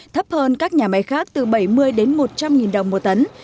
thấp hơn các nhà máy khác từ bảy mươi đến một trăm linh đồng một tấn